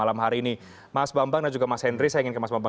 kami akan segera kembali